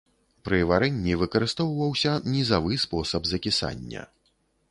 Пры варэнні выкарыстоўваўся нізавы спосаб закісання.